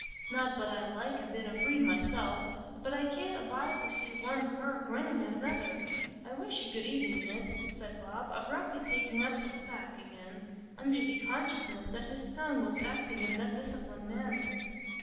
Not but I like a bit o' breed myself, but I can't abide to see one cur grinnin' at another. I wish you good evenin', Miss," said Bob, abruptly taking up his pack again, under the consciousness that his tongue was acting in an undisciplined manner.